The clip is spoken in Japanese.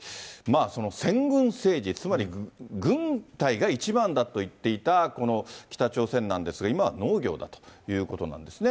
その先軍政治、つまり軍隊が一番だといっていたこの北朝鮮なんですが、今は農業だということなんですね。